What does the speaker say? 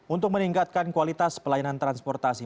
untuk meningkatkan kualitas pelayanan transportasi